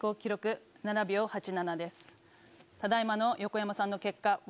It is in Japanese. ただ今の横山さんの結果は。